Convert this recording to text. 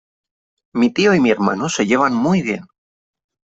Mi tío y mi hermano se llevan muy bien.